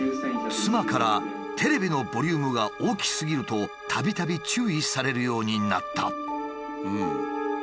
妻から「テレビのボリュームが大きすぎる」とたびたび注意されるようになった。